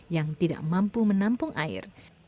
yang tidak mampu menampung air